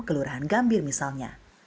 kelurahan gambir misalnya